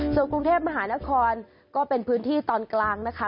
ส่วนกรุงเทพมหานครก็เป็นพื้นที่ตอนกลางนะคะ